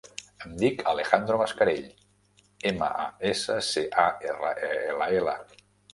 Em dic Alejandro Mascarell: ema, a, essa, ce, a, erra, e, ela, ela.